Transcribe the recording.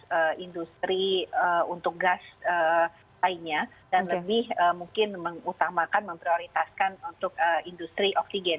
untuk industri untuk gas lainnya dan lebih mungkin mengutamakan memprioritaskan untuk industri oksigen